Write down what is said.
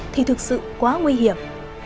thì thực sự quá nguy hiểm